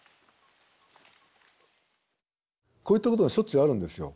こういったことがしょっちゅうあるんですよ。